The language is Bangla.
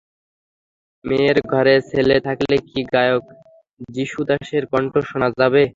মেয়ের ঘরে ছেলে থাকলে কি গায়ক যীশুদাসের কণ্ঠ শোনা যাবে?